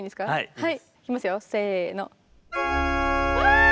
はい。